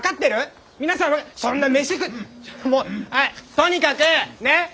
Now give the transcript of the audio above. とにかくねっ？